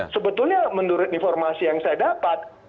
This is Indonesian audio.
sebetulnya menurut informasi yang saya dapat